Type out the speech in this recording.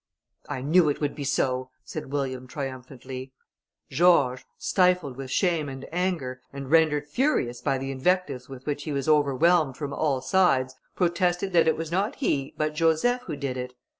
"I knew it would be so," said William triumphantly. George, stifled with shame and anger, and rendered furious by the invectives with which he was overwhelmed from all sides, protested that it was not he, but Joseph who did it.